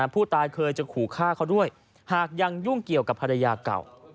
ผู้ตายเคยจะขู่ฆ่าเขาด้วยหากยังยุ่งเกี่ยวกับภรรยาเก่า